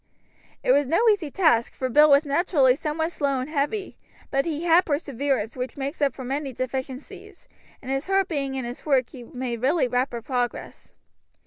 It was no easy task, for Bill was naturally somewhat slow and heavy; but he had perseverance, which makes up for many deficiencies, and his heart being in his work he made really rapid progress.